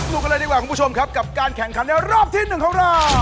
กันเลยดีกว่าคุณผู้ชมครับกับการแข่งขันในรอบที่๑ของเรา